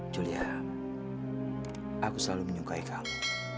julia aku selalu menyukai kamu